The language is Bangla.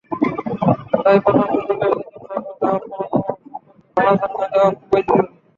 তাই প্রথম সুযোগেই নতুন সহকর্মীদের আপনার সম্পর্কে ভালো ধারণা দেওয়াটা খুবই জরুরি।